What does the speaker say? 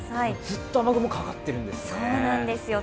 ずっと雨雲かかってるんですね。